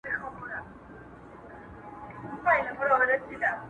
نه چا د پیر بابا له قبر سره -